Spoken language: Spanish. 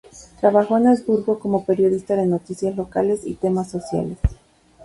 Trabajó en Augsburgo como periodista de noticias locales y temas sociales.